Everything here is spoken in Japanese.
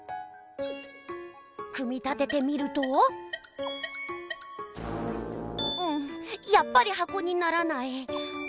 組み立ててみるとんやっぱりはこにならない。